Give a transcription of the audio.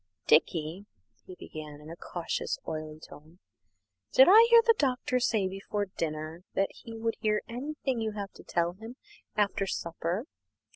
"Dickie," he began, in a cautious, oily tone, "did I hear the Doctor say before dinner that he would hear anything you have to tell him after supper?